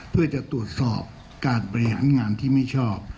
เพื่อจะตรวจสอบการบริหารงานที่ไม่ชอบ